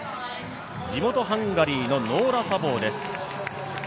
地元ハンガリーのノーラ・サボーです。